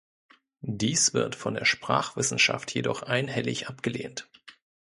Dies wird von der Sprachwissenschaft jedoch einhellig abgelehnt.